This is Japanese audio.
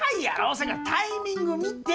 それからタイミング見て。